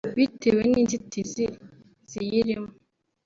bitewe n’inzitizi ziyirimo